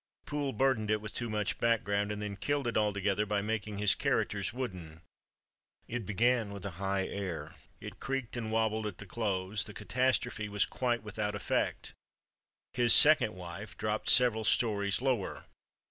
Poole burdened it with too much background, and then killed it altogether by making his characters wooden. It began with a high air; it creaked and wobbled at the close; the catastrophe was quite without effect. "His Second Wife" dropped several stories lower.